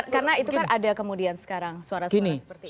karena itu kan ada kemudian sekarang suara suara seperti itu